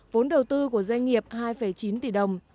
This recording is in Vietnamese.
vốn đầu tư của doanh nghiệp hai chín tỷ đồng